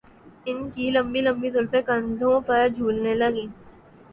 ان کی لمبی لمبی زلفیں کندھوں پر جھولنے لگیں